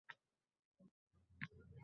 Yoshlanadi ko’zlaring nechun